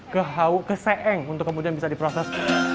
ke hau ke seeng untuk kemudian bisa diproses